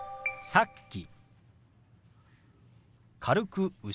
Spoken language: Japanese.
「さっき」。